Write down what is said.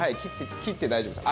切って大丈夫です。